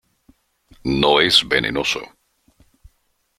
No es venenoso.